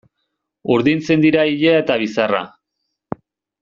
Urdintzen dira ilea eta bizarra.